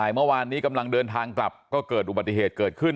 เมื่อวานนี้กำลังเดินทางกลับก็เกิดอุบัติเหตุเกิดขึ้น